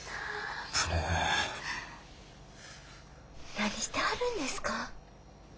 何してはるんですか？